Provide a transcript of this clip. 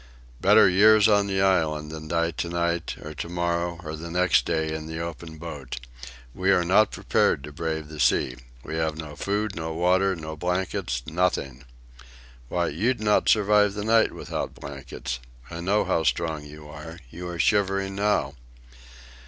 "Better years on the island than to die to night, or to morrow, or the next day, in the open boat. We are not prepared to brave the sea. We have no food, no water, no blankets, nothing. Why, you'd not survive the night without blankets: I know how strong you are. You are shivering now."